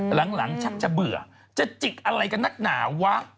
หลังชักจะเบื่อจะจิกอะไรกับนักหนาวะ